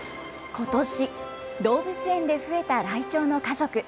ことし、動物園で増えたライチョウの家族。